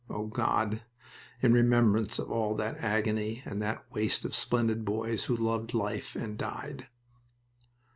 O God!" in remembrance of all that agony and that waste of splendid boys who loved life, and died.